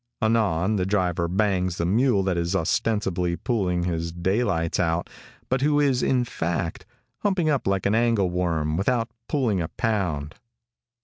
Anon, the driver bangs the mule that is ostensibly pulling his daylights out, but who is, in fact, humping up like an angle worm, without pulling a pound.